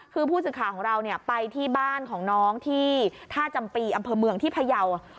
คือผู้สื่อข่าวของเราไปที่บ้านของน้องที่ท่าจำปีอำเภอเมืองที่พยาว